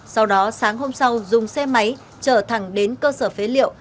sau đó sáng hôm sau dùng xe máy trở thẳng đến cơ sở phế liệu